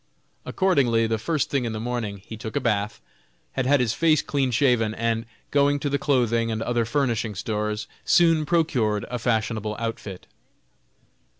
Accordingly, the first thing in the morning, he took a bath, had had his face clean shaven, and, going to the clothing and other furnishing stores, soon procured a fashionable outfit.